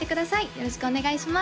よろしくお願いします